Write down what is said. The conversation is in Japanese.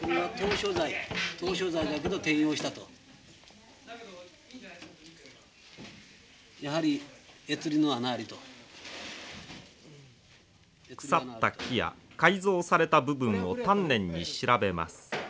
腐った木や改造された部分を丹念に調べます。